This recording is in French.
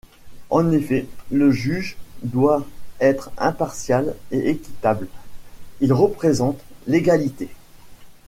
En effet le juge doit être impartial et équitable, il représente l'égalité.